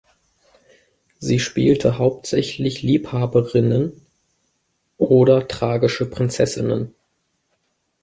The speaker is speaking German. Sie spielte hauptsächlich Liebhaberinnen oder tragische Prinzessinnen.